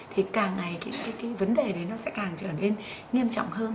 thì càng ngày cái vấn đề đấy nó sẽ càng trở nên nghiêm trọng hơn